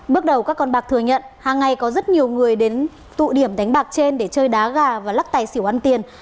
bước đầu các con bạc thừa nhận hàng ngày có rất nhiều người đến tụ điểm đánh bạc trên để chơi đá gà và lắc tài xỉu ăn tiền